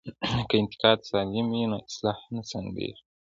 که انتقاد سالم وي نو اصلاح نه ځنډیږي.